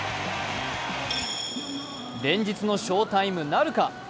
連日の翔タイムなるか。